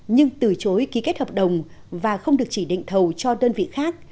nhưng từ chối ký kết hợp đồng và không được chỉ định thầu cho đơn vị khác